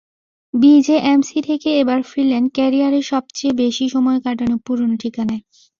BJMC থেকে এবার ফিরলেন ক্যারিয়ারের সবচেয়ে বেশি সময় কাটানো পুরোনো ঠিকানায়।